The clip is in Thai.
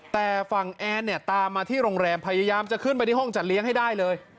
แต่ฝั่งแอนเนี่ยตามมาที่โรงแรมพยายามจะขึ้นไปที่ห้องจัดเลี้ยงให้ได้เลย